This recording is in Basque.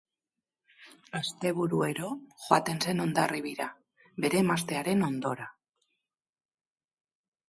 Asteburuero joaten zen Hondarribira, bere emaztearen ondora.